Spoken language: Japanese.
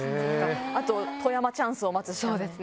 あと富山チャンスを待つしかない。